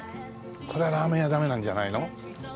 これはラーメン屋ダメなんじゃないの？